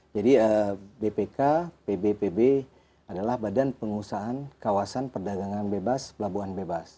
jadi bpk pbbb adalah badan pengusahaan kawasan perdagangan bebas pelabuhan bebas